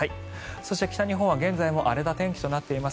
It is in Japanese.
そして北日本は現在も荒れた天気となっています。